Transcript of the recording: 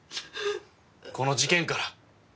この事件から。